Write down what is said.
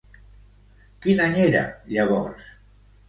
Quin any era llavors?